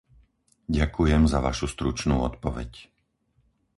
Ďakujem za vašu stručnú odpoveď.